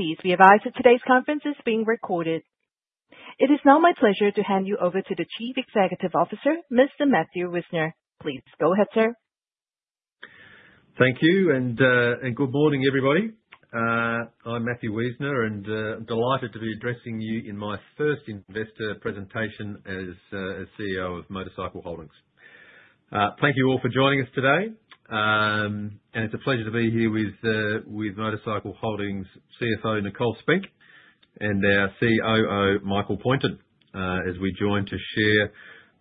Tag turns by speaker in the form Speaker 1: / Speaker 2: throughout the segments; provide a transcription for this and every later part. Speaker 1: Please be advised that today's conference is being recorded. It is now my pleasure to hand you over to the Chief Executive Officer, Mr. Matthew Wiesner. Please go ahead, sir.
Speaker 2: Thank you, and good morning, everybody. I'm Matthew Wiesner, and I'm delighted to be addressing you in my first investor presentation as CEO of MotorCycle Holdings. Thank you all for joining us today, and it's a pleasure to be here with MotorCycle Holdings CFO, Nicole Spink, and our COO, Michael Poynton, as we join to share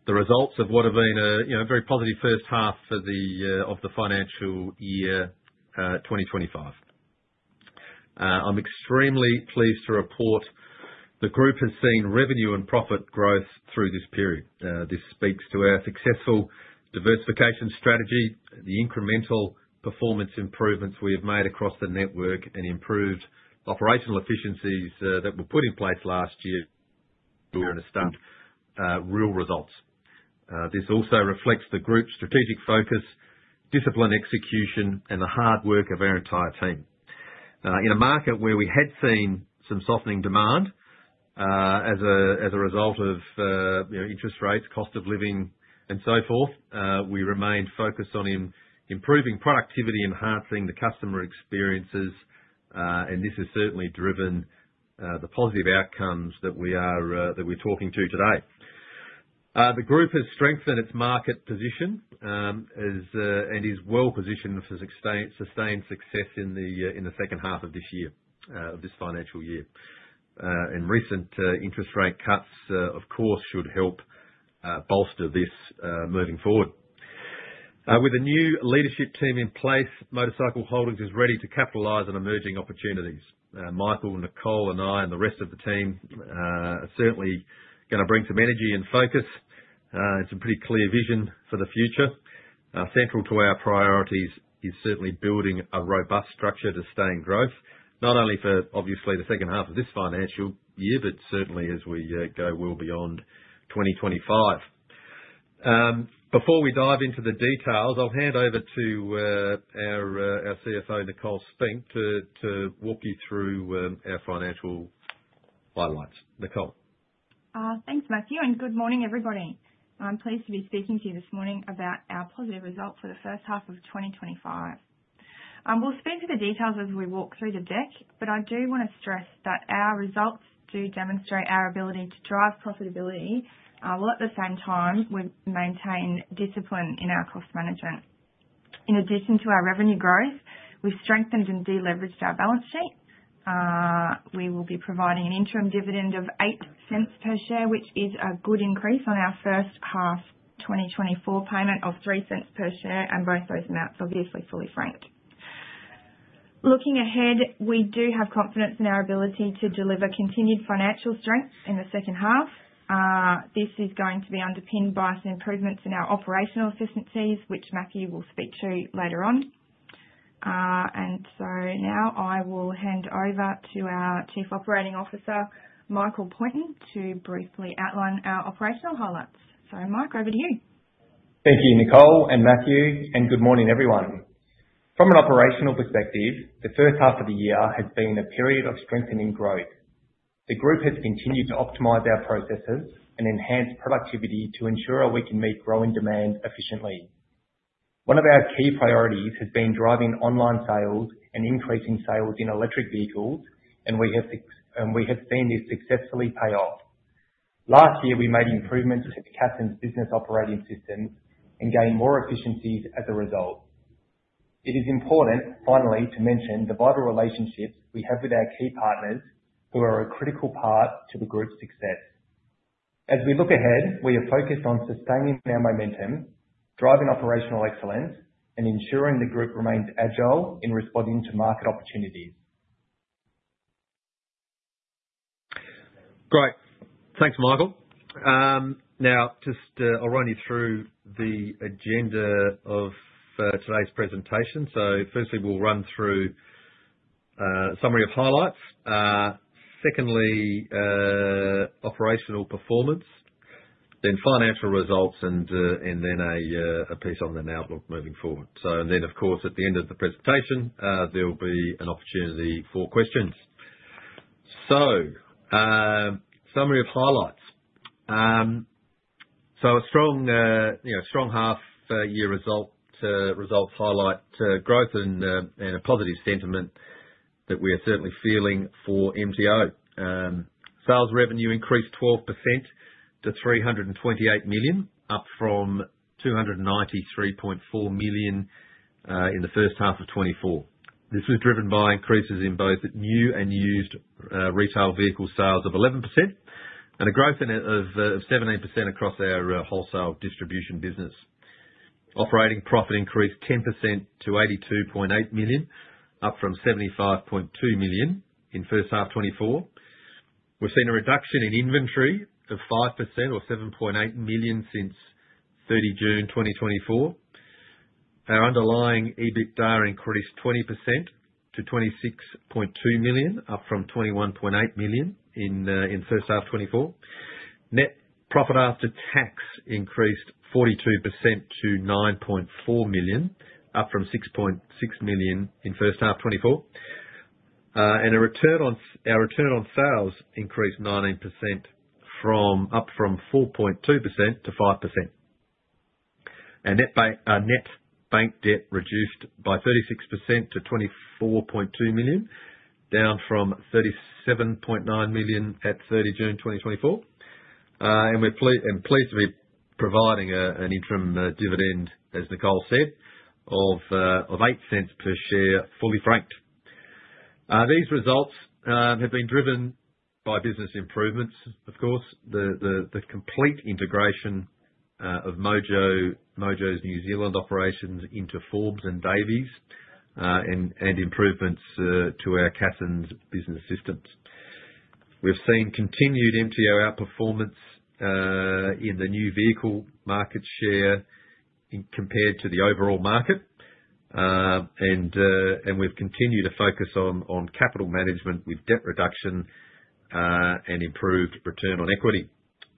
Speaker 2: the results of what have been a very positive first half of the financial year 2025. I'm extremely pleased to report the group has seen revenue and profit growth through this period. This speaks to our successful diversification strategy, the incremental performance improvements we have made across the network, and improved operational efficiencies that were put in place last year to start real results. This also reflects the group's strategic focus, discipline execution, and the hard work of our entire team. In a market where we had seen some softening demand as a result of interest rates, cost of living, and so forth, we remained focused on improving productivity, enhancing the customer experiences, and this has certainly driven the positive outcomes that we are talking to today. The group has strengthened its market position and is well positioned to sustain success in the second half of this year, of this financial year. Recent interest rate cuts, of course, should help bolster this moving forward. With a new leadership team in place, MotorCycle Holdings is ready to capitalise on emerging opportunities. Michael, Nicole, and I, and the rest of the team are certainly going to bring some energy and focus and some pretty clear vision for the future. Central to our priorities is certainly building a robust structure to sustain growth, not only for, obviously, the second half of this financial year, but certainly as we go well beyond 2025. Before we dive into the details, I'll hand over to our CFO, Nicole Spink, to walk you through our financial highlights. Nicole?
Speaker 3: Thanks, Matthew, and good morning, everybody. I'm pleased to be speaking to you this morning about our positive results for the first half of 2025. We'll speak to the details as we walk through the deck, but I do want to stress that our results do demonstrate our ability to drive profitability while, at the same time, we maintain discipline in our cost management. In addition to our revenue growth, we've strengthened and deleveraged our balance sheet. We will be providing an interim dividend of 0.08 per share, which is a good increase on our first half 2024 payment of 0.03 per share, and both those amounts are obviously fully franked. Looking ahead, we do have confidence in our ability to deliver continued financial strength in the second half. This is going to be underpinned by some improvements in our operational efficiencies, which Matthew will speak to later on. I will hand over to our Chief Operating Officer, Michael Poynton, to briefly outline our operational highlights. Mike, over to you.
Speaker 4: Thank you, Nicole and Matthew, and good morning, everyone. From an operational perspective, the first half of the year has been a period of strengthening growth. The group has continued to optimize our processes and enhance productivity to ensure we can meet growing demand efficiently. One of our key priorities has been driving online sales and increasing sales in electric vehicles, and we have seen this successfully pay off. Last year, we made improvements to the Cassons' business operating system and gained more efficiencies as a result. It is important, finally, to mention the vital relationships we have with our key partners who are a critical part to the group's success. As we look ahead, we are focused on sustaining our momentum, driving operational excellence, and ensuring the group remains agile in responding to market opportunities.
Speaker 2: Great. Thanks, Michael. Now, just I'll run you through the agenda of today's presentation. Firstly, we'll run through a summary of highlights. Secondly, operational performance, then financial results, and then a piece on the outlook moving forward. Of course, at the end of the presentation, there will be an opportunity for questions. Summary of highlights. A strong half-year result highlights growth and a positive sentiment that we are certainly feeling for MTO. Sales revenue increased 12% to 328 million, up from 293.4 million in the first half of 2024. This was driven by increases in both new and used retail vehicle sales of 11% and a growth of 17% across our wholesale distribution business. Operating profit increased 10% to 82.8 million, up from 75.2 million in the first half of 2024. We've seen a reduction in inventory of 5% or 7.8 million since 30 June 2024. Our underlying EBITDA increased 20% to 26.2 million, up from 21.8 million in first half 2024. Net profit after tax increased 42% to 9.4 million, up from 6.6 million in first half 2024. Our return on sales increased 19%, up from 4.2% to 5%. Our net bank debt reduced by 36% to 24.2 million, down from 37.9 million at 30 June 2024. We are pleased to be providing an interim dividend, as Nicole said, of 0.08 per share, fully franked. These results have been driven by business improvements, of course, the complete integration of Mojo's New Zealand operations into Forbes and Davies, and improvements to our captain's business systems. We have seen continued MTO outperformance in the new vehicle market share compared to the overall market, and we have continued to focus on capital management with debt reduction and improved return on equity.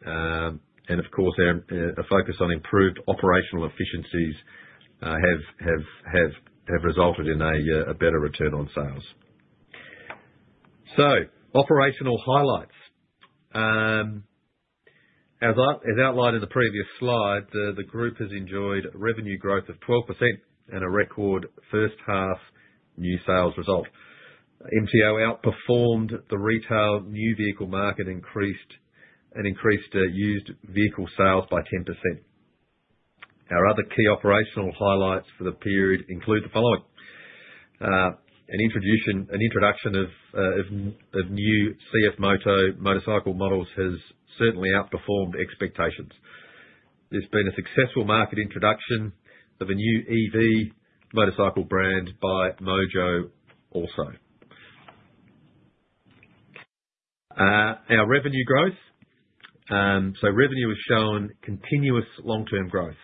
Speaker 2: Of course, a focus on improved operational efficiencies has resulted in a better return on sales. Operational highlights. As outlined in the previous slide, the group has enjoyed revenue growth of 12% and a record first half new sales result. MTO outperformed the retail new vehicle market and increased used vehicle sales by 10%. Our other key operational highlights for the period include the following: an introduction of new CFMOTO motorcycle models has certainly outperformed expectations. There has been a successful market introduction of a new EV motorcycle brand by Mojo also. Our revenue growth. Revenue has shown continuous long-term growth.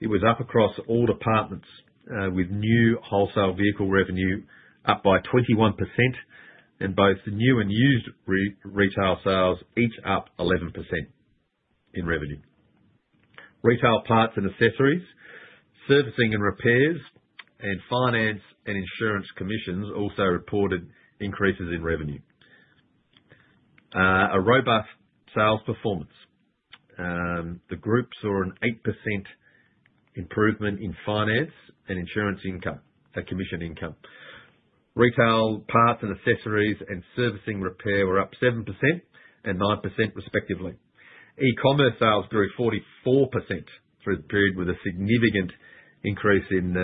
Speaker 2: It was up across all departments with new wholesale vehicle revenue up by 21%, and both new and used retail sales each up 11% in revenue. Retail parts and accessories, servicing and repairs, and finance and insurance commissions also reported increases in revenue. A robust sales performance. The group saw an 8% improvement in finance and insurance income, commission income. Retail parts and accessories and servicing repair were up 7% and 9% respectively. E-commerce sales grew 44% through the period with a significant increase in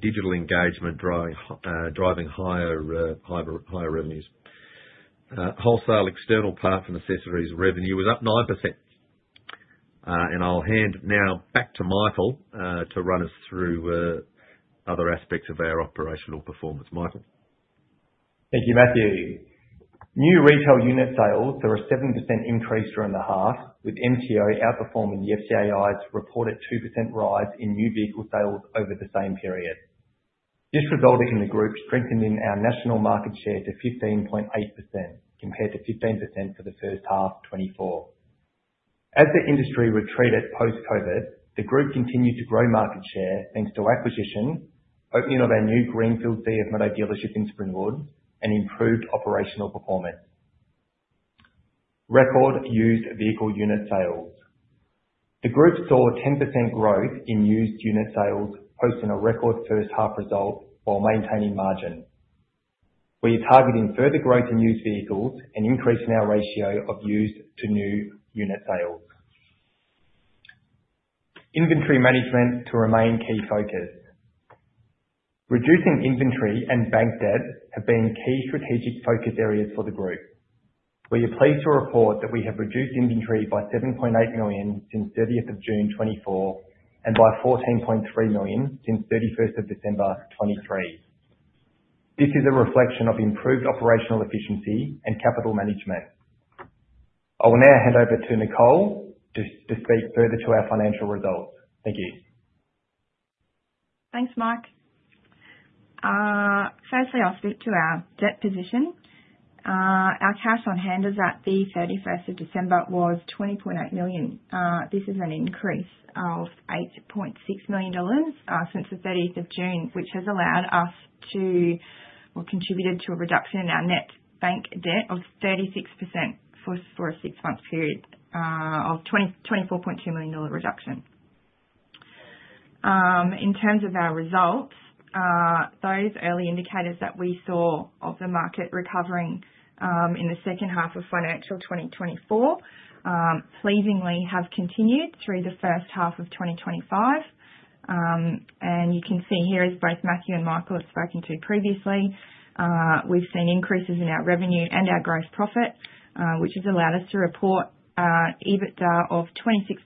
Speaker 2: digital engagement, driving higher revenues. Wholesale external parts and accessories revenue was up 9%. I will hand now back to Michael to run us through other aspects of our operational performance. Michael?
Speaker 4: Thank you, Matthew. New retail unit sales saw a 7% increase during the half, with MTO outperforming the FCAI's reported 2% rise in new vehicle sales over the same period. This resulted in the group strengthening our national market share to 15.8% compared to 15% for the first half 2024. As the industry retreated post-COVID, the group continued to grow market share thanks to acquisition, opening of our new Greenfield CFMOTO dealership in Springwood, and improved operational performance. Record used vehicle unit sales. The group saw a 10% growth in used unit sales, posting a record first half result while maintaining margin. We are targeting further growth in used vehicles and increasing our ratio of used to new unit sales. Inventory management to remain key focus. Reducing inventory and bank debt have been key strategic focus areas for the group. We are pleased to report that we have reduced inventory by 7.8 million since 30th June 2024 and by 14.3 million since 31st December 2023. This is a reflection of improved operational efficiency and capital management. I will now hand over to Nicole to speak further to our financial results. Thank you.
Speaker 3: Thanks, Mike. Firstly, I'll speak to our debt position. Our cash on hand as at 31st December was 20.8 million. This is an increase of 8.6 million dollars since 30th June, which has allowed us to or contributed to a reduction in our net bank debt of 36% for a six-month period, a 24.2 million dollar reduction. In terms of our results, those early indicators that we saw of the market recovering in the second half of financial 2024 pleasingly have continued through the first half of 2025. You can see here as both Matthew and Michael have spoken to previously, we've seen increases in our revenue and our gross profit, which has allowed us to report EBITDA of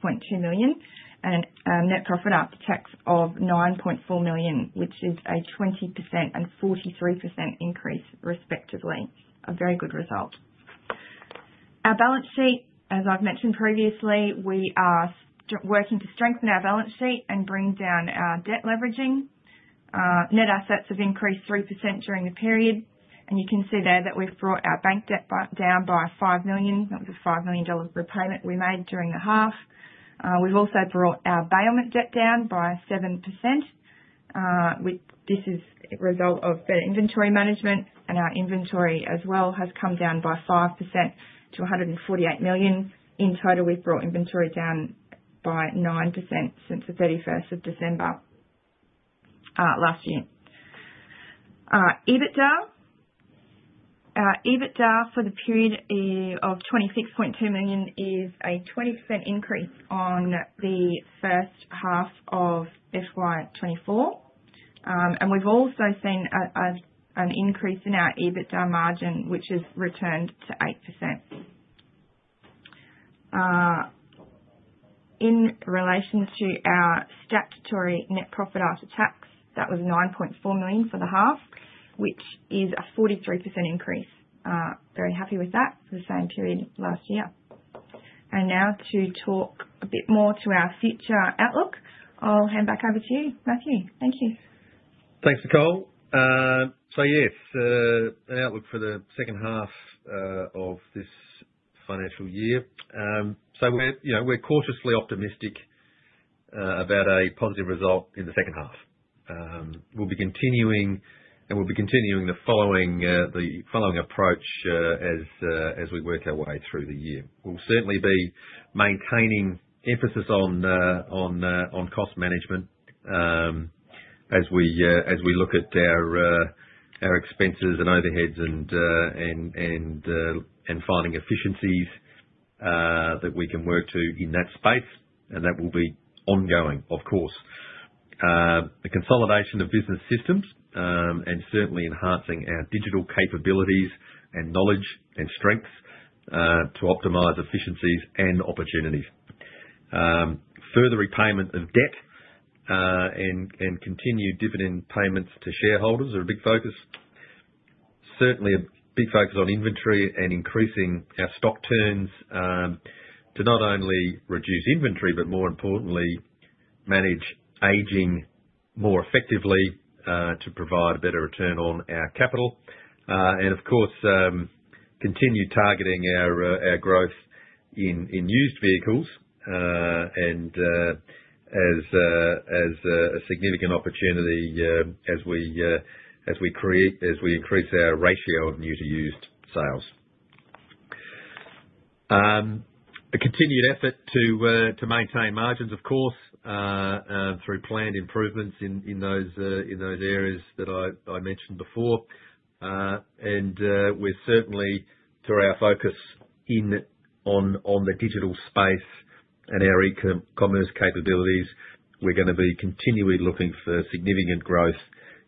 Speaker 3: 26.2 million and net profit after tax of 9.4 million, which is a 20% and 43% increase respectively. A very good result. Our balance sheet, as I've mentioned previously, we are working to strengthen our balance sheet and bring down our debt leveraging. Net assets have increased 3% during the period. You can see there that we've brought our bank debt down by 5 million. That was a 5 million dollar repayment we made during the half. We've also brought our bailment debt down by 7%. This is a result of better inventory management, and our inventory as well has come down by 5% to 148 million. In total, we've brought inventory down by 9% since 31st December last year. EBITDA for the period of 26.2 million is a 20% increase on the first half of FY 2024. We've also seen an increase in our EBITDA margin, which has returned to 8%. In relation to our statutory net profit after tax, that was 9.4 million for the half, which is a 43% increase. Very happy with that for the same period last year. Now to talk a bit more to our future outlook, I'll hand back over to you, Matthew. Thank you.
Speaker 2: Thanks, Nicole. Yes, an outlook for the second half of this financial year. We are cautiously optimistic about a positive result in the second half. We will be continuing the following approach as we work our way through the year. We will certainly be maintaining emphasis on cost management as we look at our expenses and overheads and finding efficiencies that we can work to in that space. That will be ongoing, of course. The consolidation of business systems and certainly enhancing our digital capabilities and knowledge and strengths to optimize efficiencies and opportunities. Further repayment of debt and continued dividend payments to shareholders are a big focus. Certainly a big focus on inventory and increasing our stock turns to not only reduce inventory, but more importantly, manage aging more effectively to provide a better return on our capital. Of course, continue targeting our growth in used vehicles as a significant opportunity as we increase our ratio of new to used sales. A continued effort to maintain margins, of course, through planned improvements in those areas that I mentioned before. We are certainly, through our focus on the digital space and our e-commerce capabilities, going to be continually looking for significant growth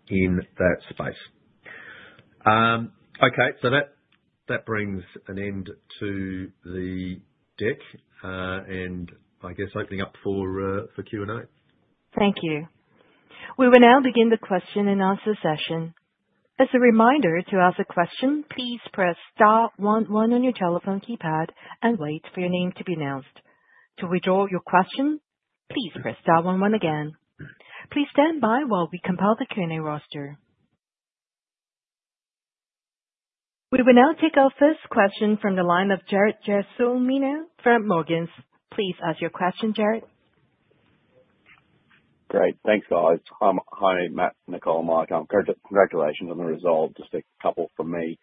Speaker 2: in that space. Okay, that brings an end to the deck. I guess opening up for Q&A.
Speaker 1: Thank you. We will now begin the question and answer session. As a reminder to ask a question, please press star one one on your telephone keypad and wait for your name to be announced. To withdraw your question, please press star one one again. Please stand by while we compile the Q&A roster. We will now take our first question from the line of Jared Gelsomino from Morgans. Please ask your question, Jared.
Speaker 5: Great. Thanks, guys. Hi, Matt, Nicole, Mike. Congratulations on the result. Just a couple from me.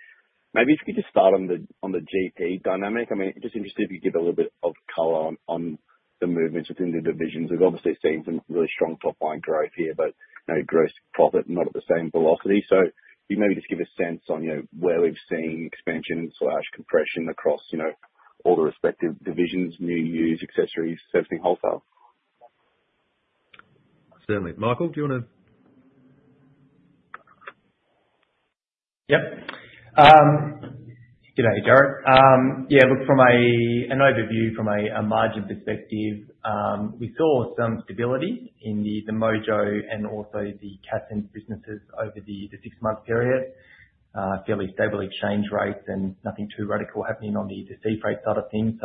Speaker 5: Maybe if you could just start on the GP Dynamic. I mean, just interested if you could give a little bit of color on the movements within the divisions. We've obviously seen some really strong top-line growth here, but gross profit not at the same velocity. So you maybe just give a sense on where we've seen expansion/compression across all the respective divisions, new, used, accessories, servicing, wholesale.
Speaker 2: Certainly. Michael, do you want to?
Speaker 4: Yep. Good day, Jared. Yeah, look, from an overview from a margin perspective, we saw some stability in the Mojo and also the Cassons businesses over the six-month period. Fairly stable exchange rates and nothing too radical happening on the sea freight side of things.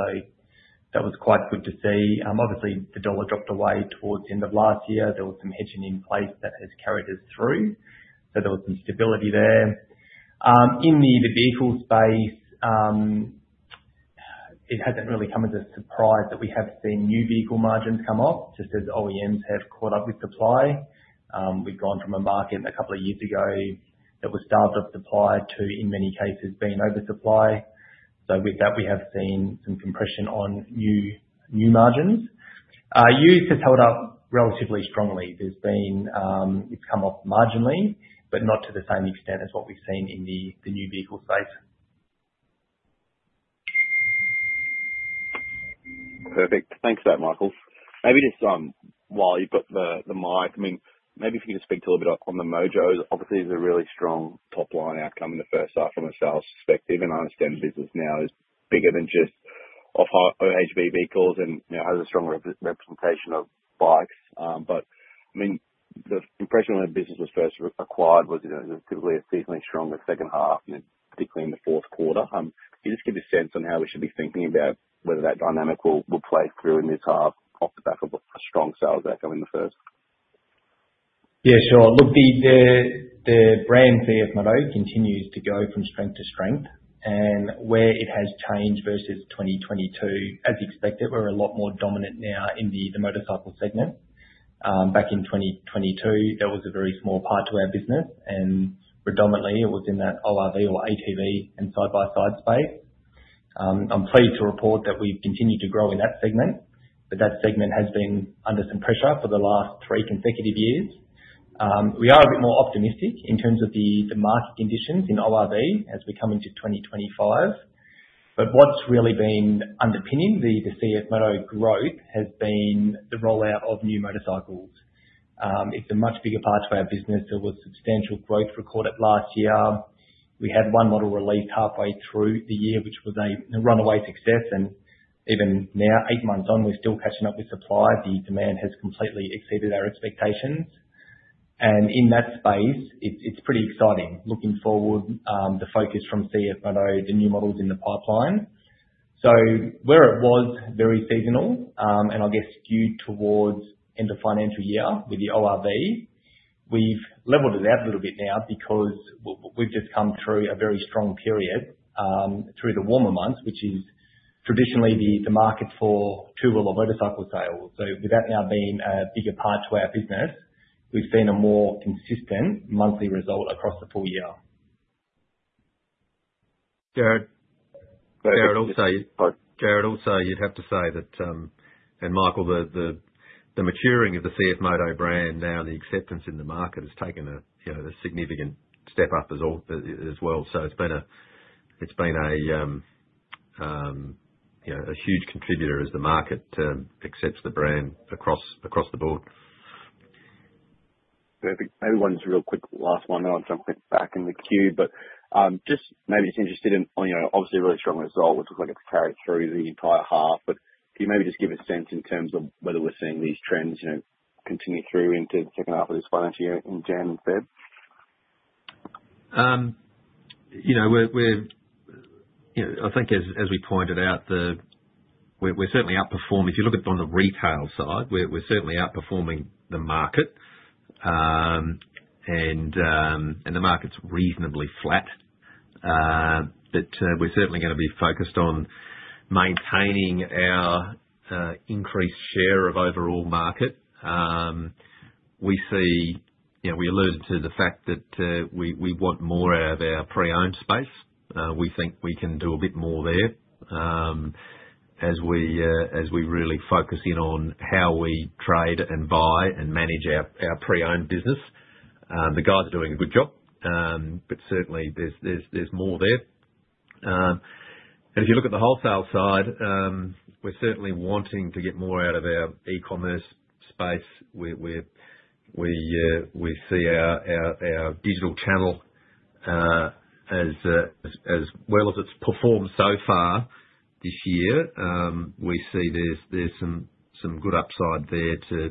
Speaker 4: That was quite good to see. Obviously, the dollar dropped away towards the end of last year. There was some hedging in place that has carried us through. There was some stability there. In the vehicle space, it has not really come as a surprise that we have seen new vehicle margins come off just as OEMs have caught up with supply. We have gone from a market a couple of years ago that was starved of supply to, in many cases, being oversupply. With that, we have seen some compression on new margins. Used has held up relatively strongly. It's come off marginally, but not to the same extent as what we've seen in the new vehicle space.
Speaker 5: Perfect. Thanks for that, Michael. Maybe just while you've got the mic, I mean, maybe if you could just speak to a little bit on the Mojo. Obviously, there's a really strong top-line outcome in the first half from a sales perspective. And I understand the business now is bigger than just off-highway ATV vehicles and has a strong representation of bikes. I mean, the impression when the business was first acquired was it was typically a seasonally stronger second half, particularly in the fourth quarter. Can you just give a sense on how we should be thinking about whether that dynamic will play through in this half off the back of a strong sales outcome in the first?
Speaker 4: Yeah, sure. Look, the brand CFMOTO continues to go from strength to strength. Where it has changed versus 2022, as expected, we're a lot more dominant now in the motorcycle segment. Back in 2022, that was a very small part to our business. Predominantly, it was in that ORV or ATV and side-by-side space. I'm pleased to report that we've continued to grow in that segment, but that segment has been under some pressure for the last three consecutive years. We are a bit more optimistic in terms of the market conditions in ORV as we come into 2025. What's really been underpinning the CFMOTO growth has been the rollout of new motorcycles. It's a much bigger part to our business. There was substantial growth recorded last year. We had one model released halfway through the year, which was a runaway success. Even now, eight months on, we're still catching up with supply. The demand has completely exceeded our expectations. In that space, it's pretty exciting. Looking forward, the focus from CFMOTO to new models in the pipeline. Where it was very seasonal, and I guess skewed towards end of financial year with the ORV, we've leveled it out a little bit now because we've just come through a very strong period through the warmer months, which is traditionally the market for two-wheel or motorcycle sales. With that now being a bigger part to our business, we've seen a more consistent monthly result across the full year.
Speaker 2: Jared. Jared also, you'd have to say that, and Michael, the maturing of the CFMOTO brand now and the acceptance in the market has taken a significant step up as well. It has been a huge contributor as the market accepts the brand across the board.
Speaker 5: Perfect. Maybe one just real quick last one. I'll jump back in the queue. Maybe just interested in, obviously, a really strong result, which looks like it's carried through the entire half. Can you maybe just give a sense in terms of whether we're seeing these trends continue through into the second half of this financial year in January and February?
Speaker 2: I think as we pointed out, we're certainly outperforming. If you look at it on the retail side, we're certainly outperforming the market. The market's reasonably flat. We're certainly going to be focused on maintaining our increased share of overall market. We alluded to the fact that we want more out of our pre-owned space. We think we can do a bit more there as we really focus in on how we trade and buy and manage our pre-owned business. The guys are doing a good job, but certainly there's more there. If you look at the wholesale side, we're certainly wanting to get more out of our e-commerce space. We see our digital channel as well as it's performed so far this year. We see there's some good upside there to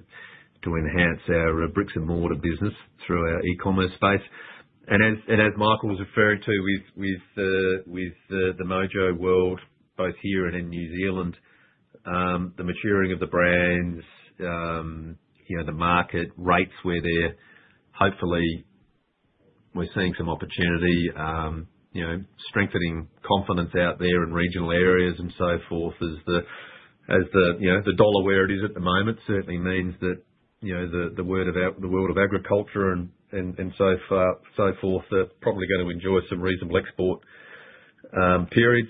Speaker 2: enhance our bricks and mortar business through our e-commerce space. As Michael was referring to with the Mojo world, both here and in New Zealand, the maturing of the brands, the market rates where they're hopefully we're seeing some opportunity, strengthening confidence out there in regional areas and so forth. As the dollar where it is at the moment certainly means that the world of agriculture and so forth are probably going to enjoy some reasonable export periods.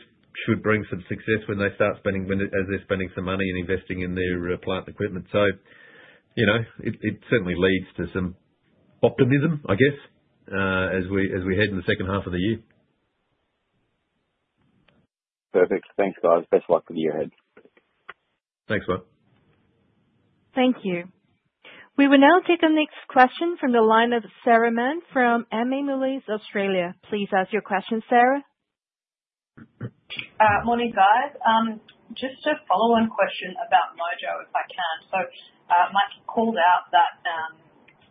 Speaker 2: Should bring some success when they start spending as they're spending some money and investing in their plant equipment. It certainly leads to some optimism, I guess, as we head in the second half of the year.
Speaker 5: Perfect. Thanks, guys. Best of luck with the year ahead.
Speaker 2: Thanks.
Speaker 1: Thank you. We will now take the next question from the line of Sarah Mann from MA Moelys Australia. Please ask your question, Sarah.
Speaker 6: Morning, guys. Just a follow-on question about Mojo if I can. Mike called out that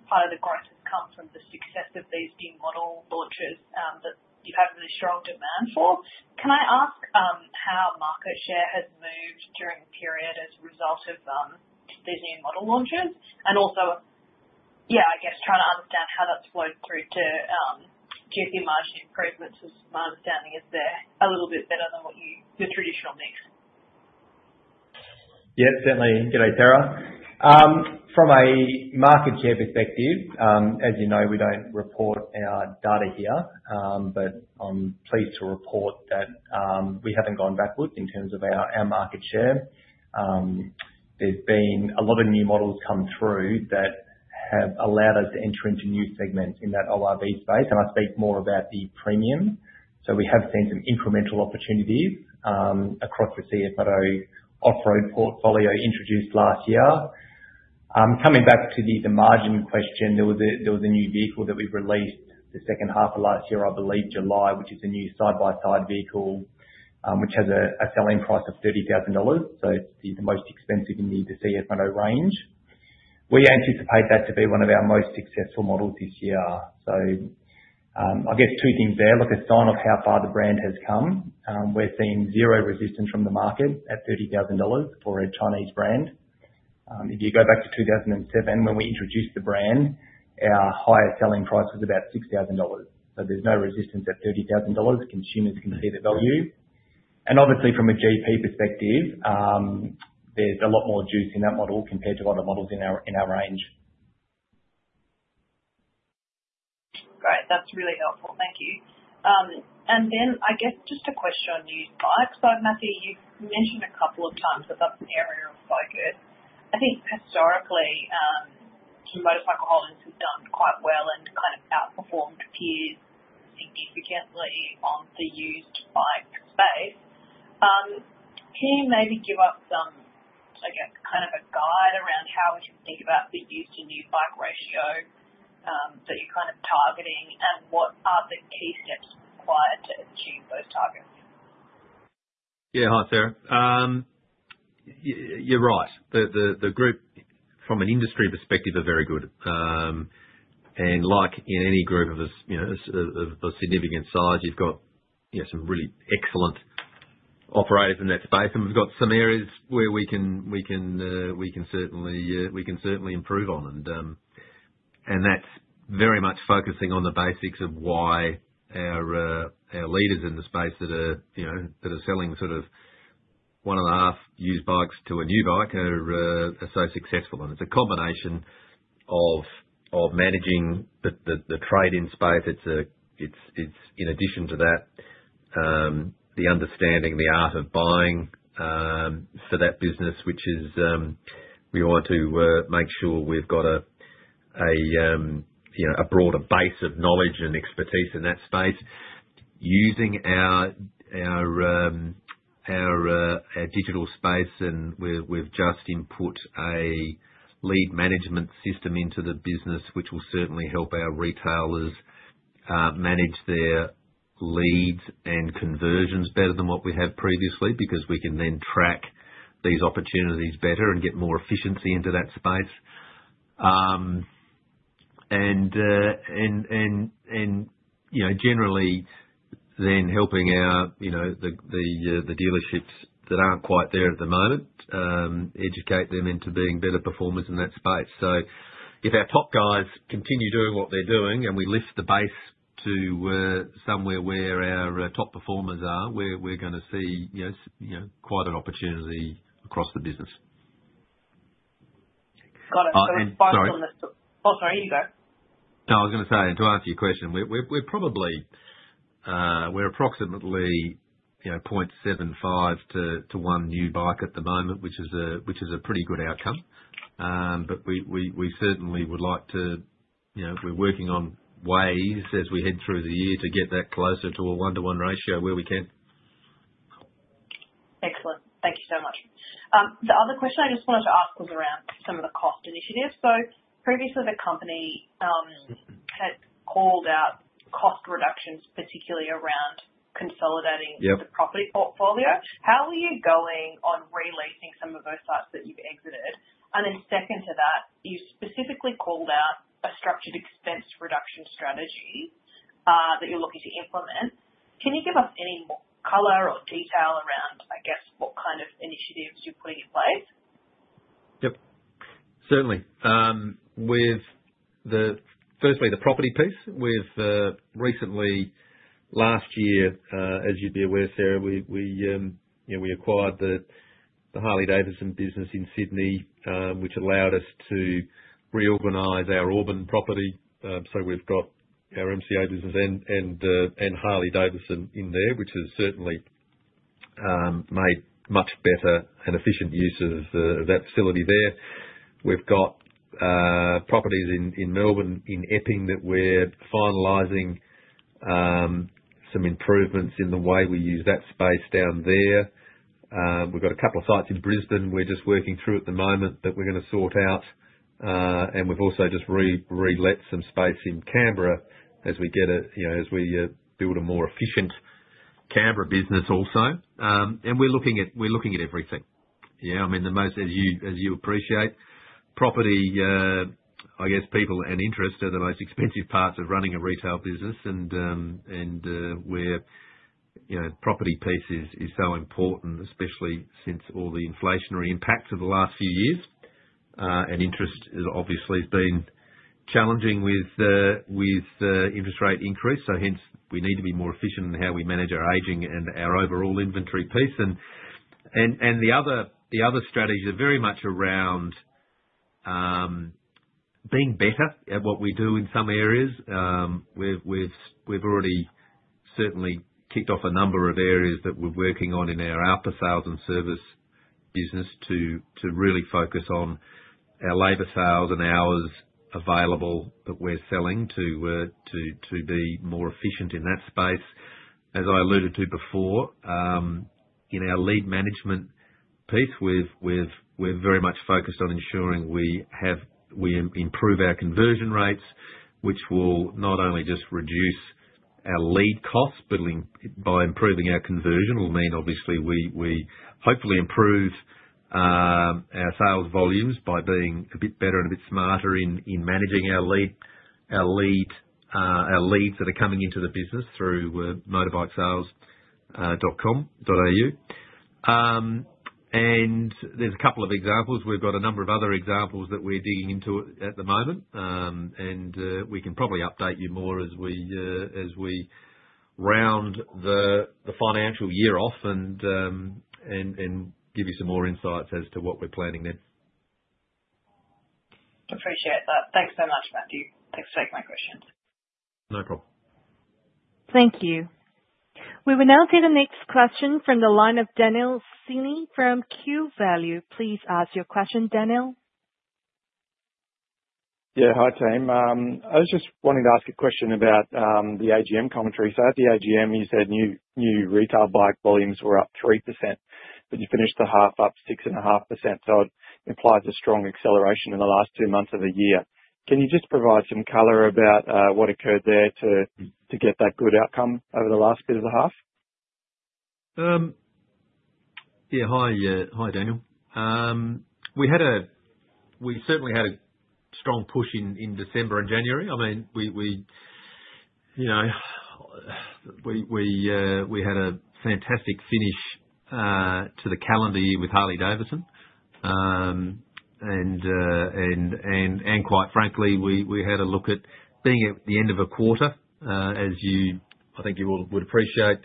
Speaker 6: part of the growth has come from the success of these new model launches that you have really strong demand for. Can I ask how market share has moved during the period as a result of these new model launches? Also, yeah, I guess trying to understand how that's flowed through to GP margin improvements as my understanding is they're a little bit better than what you the traditional mix.
Speaker 4: Yes, certainly. G'day, Sarah. From a market share perspective, as you know, we do not report our data here. But I am pleased to report that we have not gone backwards in terms of our market share. There has been a lot of new models come through that have allowed us to enter into new segments in that ORV space. I speak more about the premium. We have seen some incremental opportunities across the CFMOTO off-road portfolio introduced last year. Coming back to the margin question, there was a new vehicle that we released the second half of last year, I believe, July, which is a new side-by-side vehicle which has a selling price of 30,000 dollars. It is the most expensive in the CFMOTO range. We anticipate that to be one of our most successful models this year. I guess two things there. Look, a sign of how far the brand has come. We're seeing zero resistance from the market at 30,000 dollars for a Chinese brand. If you go back to 2007, when we introduced the brand, our highest selling price was about 6,000 dollars. There is no resistance at 30,000 dollars. Consumers can see the value. Obviously, from a GP perspective, there is a lot more juice in that model compared to other models in our range.
Speaker 6: Great. That's really helpful. Thank you. I guess just a question on new bikes. Matthew, you've mentioned a couple of times that that's an area of focus. I think historically, MotorCycle Holdings have done quite well and kind of outperformed peers significantly on the used bike space. Can you maybe give us some, I guess, kind of a guide around how we can think about the used to new bike ratio that you're kind of targeting and what are the key steps required to achieve those targets?
Speaker 2: Yeah, hi, Sarah. You're right. The group, from an industry perspective, are very good. Like in any group of a significant size, you've got some really excellent operators in that space. We've got some areas where we can certainly improve on. That is very much focusing on the basics of why our leaders in the space that are selling sort of one and a half used bikes to a new bike are so successful. It's a combination of managing the trade in space. In addition to that, the understanding, the art of buying for that business, which is we want to make sure we've got a broader base of knowledge and expertise in that space. Using our digital space, and we've just input a lead management system into the business, which will certainly help our retailers manage their leads and conversions better than what we have previously because we can then track these opportunities better and get more efficiency into that space. Generally then helping the dealerships that aren't quite there at the moment, educate them into being better performers in that space. If our top guys continue doing what they're doing and we lift the base to somewhere where our top performers are, we're going to see quite an opportunity across the business.
Speaker 6: Got it. Sorry. Oh, sorry. You go.
Speaker 2: No, I was going to say, to answer your question, we're approximately 0.75 to one new bike at the moment, which is a pretty good outcome. We certainly would like to, we're working on ways as we head through the year to get that closer to a one-to-one ratio where we can.
Speaker 6: Excellent. Thank you so much. The other question I just wanted to ask was around some of the cost initiatives. Previously, the company had called out cost reductions, particularly around consolidating the property portfolio. How are you going on releasing some of those sites that you've exited? Second to that, you specifically called out a structured expense reduction strategy that you're looking to implement. Can you give us any more color or detail around, I guess, what kind of initiatives you're putting in place?
Speaker 2: Yep. Certainly. Firstly, the property piece. Recently, last year, as you'd be aware, Sarah, we acquired the Harley-Davidson business in Sydney, which allowed us to reorganize our Auburn property. We have our MCA business and Harley-Davidson in there, which has certainly made much better and efficient use of that facility there. We have properties in Melbourne in Epping that we're finalizing some improvements in the way we use that space down there. We have a couple of sites in Brisbane we're just working through at the moment that we're going to sort out. We have also just re-let some space in Canberra as we build a more efficient Canberra business also. We're looking at everything. Yeah. I mean, as you appreciate, property, I guess, people and interest are the most expensive parts of running a retail business. Where property piece is so important, especially since all the inflationary impacts of the last few years. Interest obviously has been challenging with interest rate increase. Hence, we need to be more efficient in how we manage our aging and our overall inventory piece. The other strategies are very much around being better at what we do in some areas. We have already certainly kicked off a number of areas that we are working on in our output sales and service business to really focus on our labor sales and hours available that we are selling to be more efficient in that space. As I alluded to before, in our lead management piece, we're very much focused on ensuring we improve our conversion rates, which will not only just reduce our lead costs, but by improving our conversion will mean, obviously, we hopefully improve our sales volumes by being a bit better and a bit smarter in managing our leads that are coming into the business through motorbikesales.com.au. There are a couple of examples. We've got a number of other examples that we're digging into at the moment. We can probably update you more as we round the financial year off and give you some more insights as to what we're planning then.
Speaker 6: Appreciate that. Thanks so much, Matthew. Thanks for taking my questions.
Speaker 2: No problem.
Speaker 1: Thank you. We will now take the next question from the line of Daniel Seeney from QValue. Please ask your question, Daniel.
Speaker 7: Yeah. Hi, Team. I was just wanting to ask a question about the AGM commentary. At the AGM, you said new retail bike volumes were up 3%, but you finished the half up 6.5%. It implies a strong acceleration in the last two months of the year. Can you just provide some color about what occurred there to get that good outcome over the last bit of the half?
Speaker 2: Yeah. Hi, Daniel. We certainly had a strong push in December and January. I mean, we had a fantastic finish to the calendar year with Harley-Davidson. Quite frankly, we had a look at being at the end of a quarter, as I think you all would appreciate,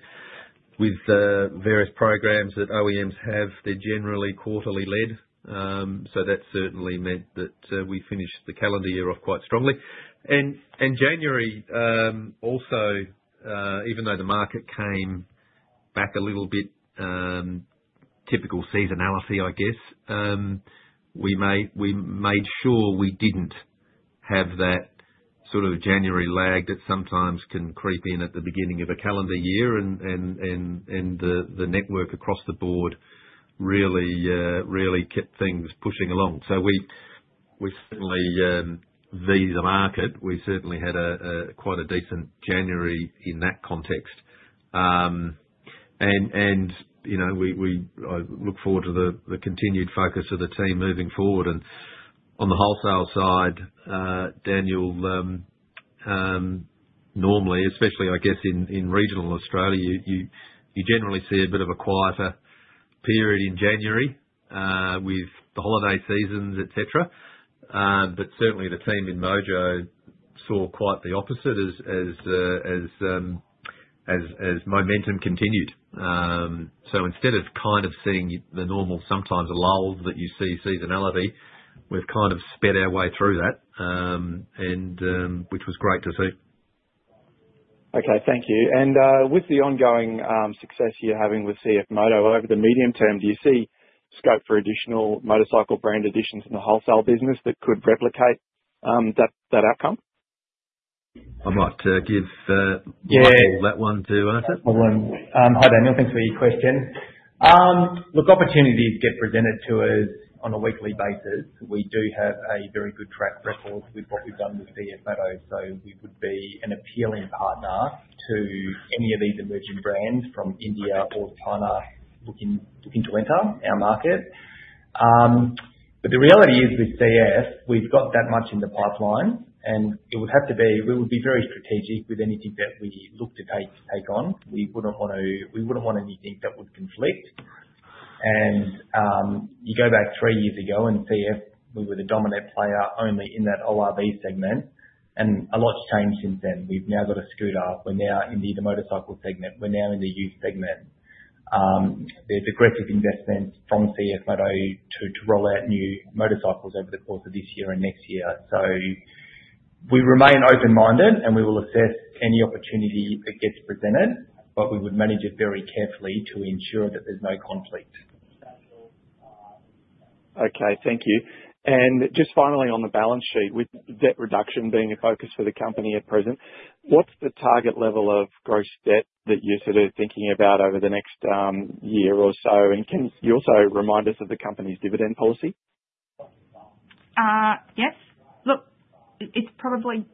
Speaker 2: with the various programs that OEMs have, they're generally quarterly led. That certainly meant that we finished the calendar year off quite strongly. January, also, even though the market came back a little bit, typical seasonality, I guess, we made sure we did not have that sort of January lag that sometimes can creep in at the beginning of a calendar year. The network across the board really kept things pushing along. We certainly view the market. We certainly had quite a decent January in that context. I look forward to the continued focus of the team moving forward. On the wholesale side, Daniel, normally, especially, I guess, in regional Australia, you generally see a bit of a quieter period in January with the holiday seasons, etc. Certainly, the team in Mojo saw quite the opposite as momentum continued. Instead of kind of seeing the normal sometimes lulls that you see seasonality, we've kind of sped our way through that, which was great to see.
Speaker 7: Okay. Thank you. With the ongoing success you're having with CFMOTO over the medium term, do you see scope for additional motorcycle brand additions in the wholesale business that could replicate that outcome?
Speaker 2: I might give Michael that one to answer.
Speaker 4: Hi, Daniel. Thanks for your question. Look, opportunities get presented to us on a weekly basis. We do have a very good track record with what we've done with CFMOTO so we would be an appealing partner to any of these emerging brands from India or China looking to enter our market. The reality is with CF, we've got that much in the pipeline. It would have to be we would be very strategic with anything that we look to take on. We wouldn't want to we wouldn't want anything that would conflict. You go back three years ago and see if we were the dominant player only in that ORV segment. A lot's changed since then. We've now got a scooter. We're now in the motorcycle segment. We're now in the used segment. is aggressive investment from CFMOTO to roll out new motorcycles over the course of this year and next year. We remain open-minded and we will assess any opportunity that gets presented, but we would manage it very carefully to ensure that there is no conflict.
Speaker 7: Okay. Thank you. Just finally, on the balance sheet, with debt reduction being a focus for the company at present, what is the target level of gross debt that you are sort of thinking about over the next year or so? Can you also remind us of the company's dividend policy?
Speaker 3: Yes. Look, it's probably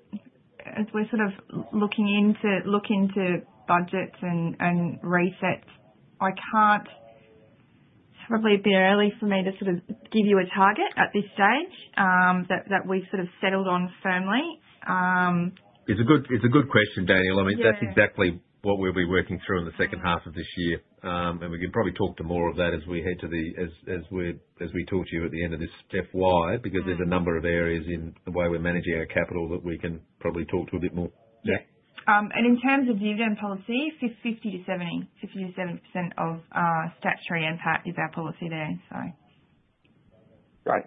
Speaker 3: as we're sort of looking into budgets and resets, it's probably a bit early for me to sort of give you a target at this stage that we've sort of settled on firmly.
Speaker 2: It's a good question, Daniel. I mean, that's exactly what we'll be working through in the second half of this year. We can probably talk to more of that as we talk to you at the end of this FY, because there's a number of areas in the way we're managing our capital that we can probably talk to a bit more.
Speaker 3: Yeah. In terms of dividend policy, 50%-70% of statutory NPAT is our policy there.
Speaker 7: Great.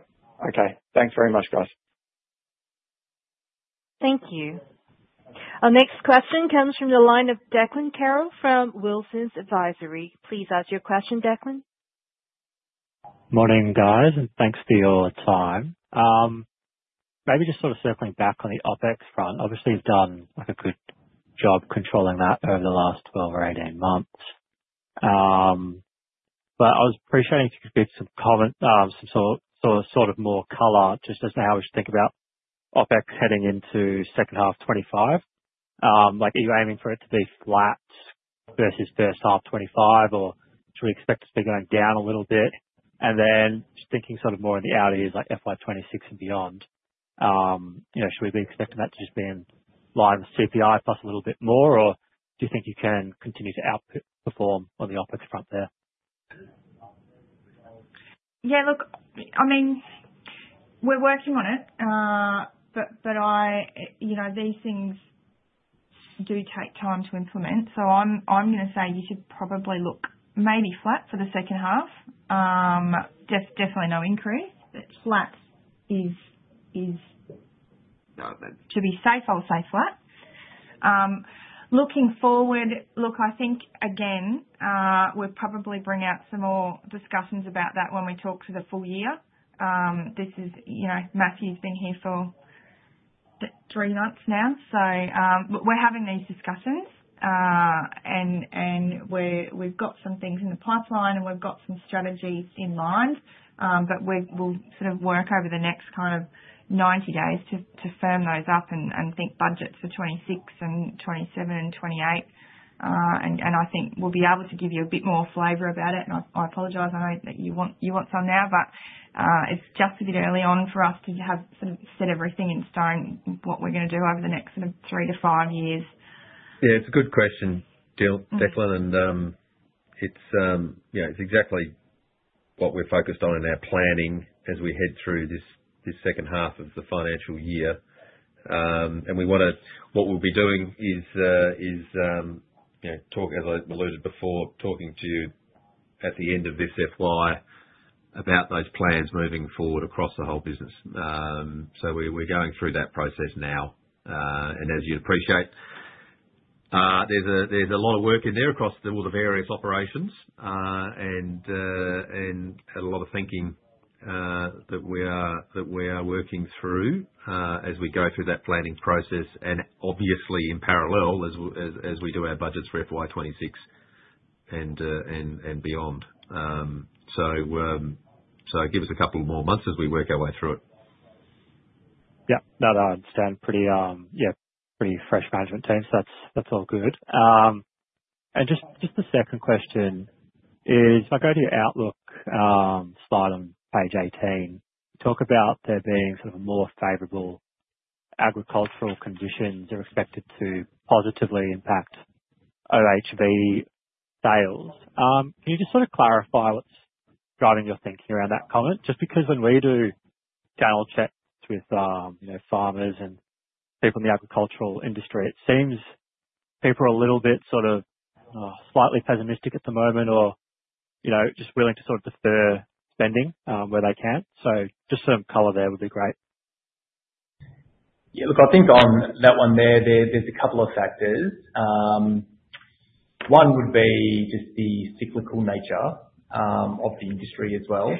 Speaker 7: Okay. Thanks very much, guys.
Speaker 1: Thank you. Our next question comes from the line of Declan Carroll from Wilsons Advisory. Please ask your question, Declan.
Speaker 8: Morning, guys. Thanks for your time. Maybe just sort of circling back on the OpEx front. Obviously, you've done a good job controlling that over the last 12 months or 18 months. I was appreciating if you could give some sort of more color just as to how we should think about OpEx heading into second half 2025. Are you aiming for it to be flat versus first half 2025, or should we expect it to be going down a little bit? Just thinking sort of more in the outer years, like FY 2026 and beyond, should we be expecting that to just be in line with CPI plus a little bit more, or do you think you can continue to outperform on the OpEx front there?
Speaker 3: Yeah. Look, I mean, we're working on it, but these things do take time to implement. I'm going to say you should probably look maybe flat for the second half. Definitely no increase. Flat is, to be safe, I'll say flat. Looking forward, I think, again, we'll probably bring out some more discussions about that when we talk to the full year. Matthew's been here for three months now. We're having these discussions, and we've got some things in the pipeline, and we've got some strategies in mind. We'll sort of work over the next kind of 90 days to firm those up and think budgets for 2026 and 2027 and 2028. I think we'll be able to give you a bit more flavor about it. I apologize. I know that you want some now, but it's just a bit early on for us to have sort of set everything in stone what we're going to do over the next sort of three to five years.
Speaker 2: Yeah. It's a good question, Declan. It's exactly what we're focused on in our planning as we head through this second half of the financial year. What we'll be doing is, as I alluded before, talking to you at the end of this FY about those plans moving forward across the whole business. We're going through that process now. As you'd appreciate, there's a lot of work in there across all the various operations and a lot of thinking that we are working through as we go through that planning process and obviously in parallel as we do our budgets for FY 2026 and beyond. Give us a couple more months as we work our way through it.
Speaker 9: Yep. No, no. I understand. Yeah. Pretty fresh management team. So that's all good. Just the second question is, if I go to your Outlook slide on page 18, you talk about there being sort of more favorable agricultural conditions that are expected to positively impact OHV sales. Can you just sort of clarify what's driving your thinking around that comment? Just because when we do channel checks with farmers and people in the agricultural industry, it seems people are a little bit sort of slightly pessimistic at the moment or just willing to sort of defer spending where they can. Just some color there would be great.
Speaker 4: Yeah. Look, I think on that one there, there's a couple of factors. One would be just the cyclical nature of the industry as well.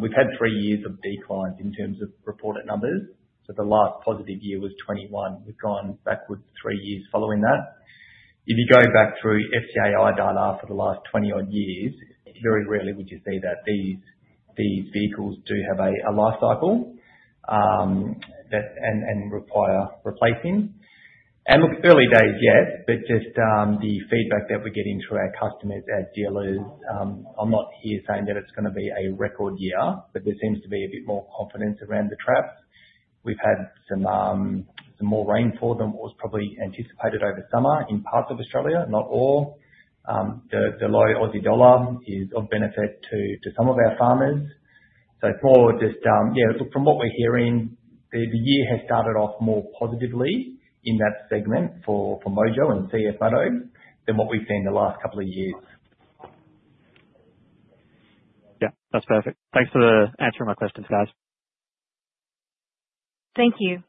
Speaker 4: We've had three years of declines in terms of reported numbers. The last positive year was 2021. We've gone backwards three years following that. If you go back through FCAI data for the last 20-odd years, very rarely would you see that these vehicles do have a life cycle and require replacing. Look, early days, yes, but just the feedback that we're getting through our customers as dealers, I'm not here saying that it's going to be a record year, but there seems to be a bit more confidence around the traps. We've had some more rain for them than what was probably anticipated over summer in parts of Australia, not all. The low Aussie dollar is of benefit to some of our farmers. It is more just, yeah, look, from what we are hearing, the year has started off more positively in that segment for Mojo and CFMOTO than what we have seen the last couple of years.
Speaker 8: Yeah. That's perfect. Thanks for answering my questions, guys.
Speaker 1: Thank you.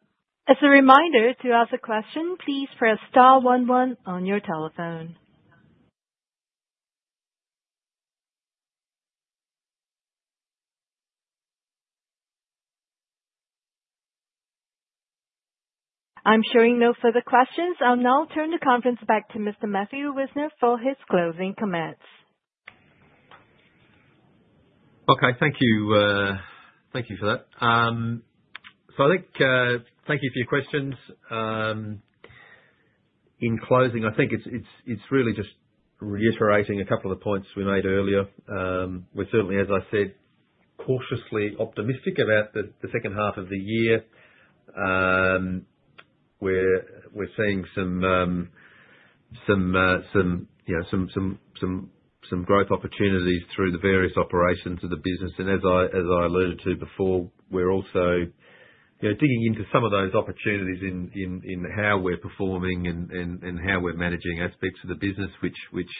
Speaker 1: As a reminder, to ask a question, please press star one one on your telephone. I'm showing no further questions. I'll now turn the conference back to Mr. Matthew Wiesner for his closing comments.
Speaker 2: Okay. Thank you for that. I think thank you for your questions. In closing, I think it's really just reiterating a couple of the points we made earlier. We're certainly, as I said, cautiously optimistic about the second half of the year. We're seeing some growth opportunities through the various operations of the business. As I alluded to before, we're also digging into some of those opportunities in how we're performing and how we're managing aspects of the business, which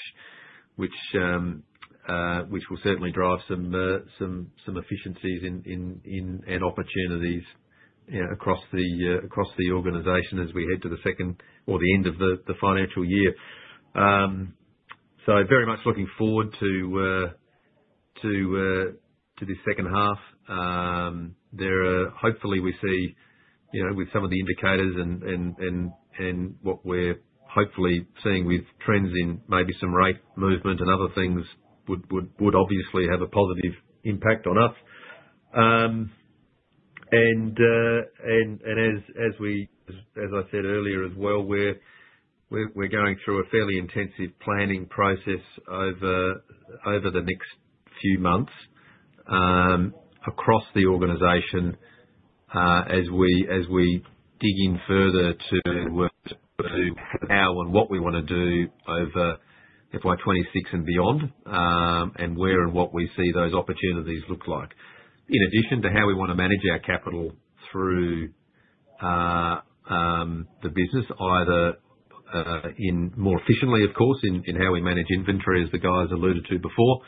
Speaker 2: will certainly drive some efficiencies and opportunities across the organization as we head to the second or the end of the financial year. I am very much looking forward to this second half. Hopefully, we see with some of the indicators and what we're hopefully seeing with trends in maybe some rate movement and other things would obviously have a positive impact on us. As I said earlier as well, we're going through a fairly intensive planning process over the next few months across the organization as we dig in further to how and what we want to do over FY 2026 and beyond and where and what we see those opportunities look like. In addition to how we want to manage our capital through the business, either more efficiently, of course, in how we manage inventory, as the guys alluded to before,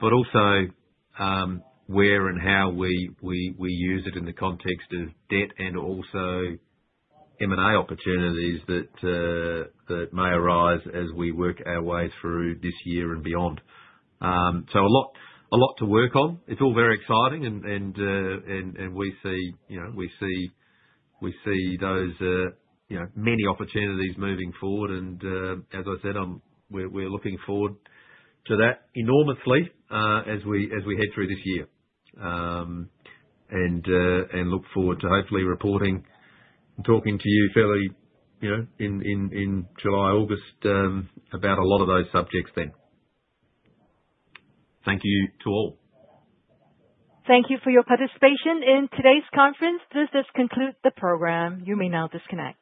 Speaker 2: but also where and how we use it in the context of debt and also M&A opportunities that may arise as we work our way through this year and beyond. A lot to work on. It's all very exciting. We see those many opportunities moving forward. As I said, we're looking forward to that enormously as we head through this year and look forward to hopefully reporting and talking to you fairly in July, August about a lot of those subjects then. Thank you to all.
Speaker 1: Thank you for your participation in today's conference. This does conclude the program. You may now disconnect.